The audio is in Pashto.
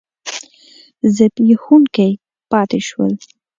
زبېښونکي پاتې شول.